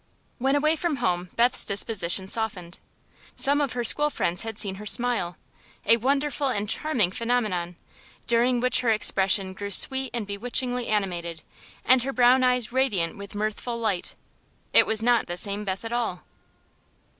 When away from home Beth's disposition softened. Some of her school friends had seen her smile a wonderful and charming phenomenon, during which her expression grew sweet and bewitchingly animated and her brown eyes radiant with mirthful light. It was not the same Beth at all.